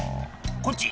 こっち！